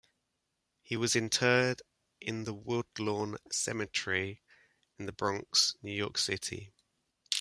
He was interred in the Woodlawn Cemetery in The Bronx, New York City.